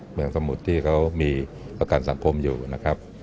เมืองสมุทรที่เขามีประกันสังคมอยู่นะครับ